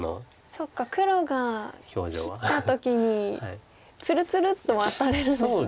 そっか黒が切った時にツルツルッとワタれるんですね